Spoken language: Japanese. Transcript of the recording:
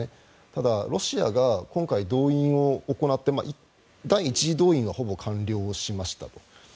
ただ、ロシアが今回動員を行って第１次動員はほぼ完了しましたと。